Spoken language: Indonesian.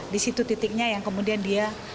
di situ titiknya yang kemudian dia